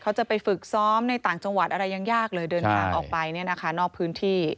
เขาจะไปฝึกซ้อมในต่างจังหวัดอะไรยังยากเลยเดินทางออกไปเนี่ยนะคะนอกพื้นที่